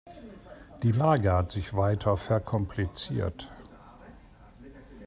Die Lage hat sich weiter verkompliziert.